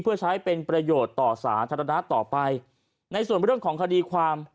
เพื่อใช้เป็นประโยชน์ต่อสาธารณะต่อไปในส่วนของคดีความ